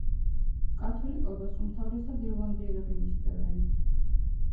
კათოლიკობას უმთავრესად ირლანდიელები მისდევენ.